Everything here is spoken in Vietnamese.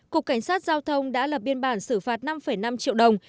cục cảnh sát giao thông đã lập biên bản xử phạt năm năm triệu đồng